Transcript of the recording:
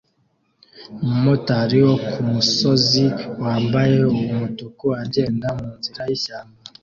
Umumotari wo kumusozi wambaye umutuku agenda munzira yishyamba